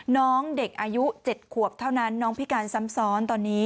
น้องเด็กอายุ๗ขวบเท่านั้นน้องพิการซ้ำซ้อนตอนนี้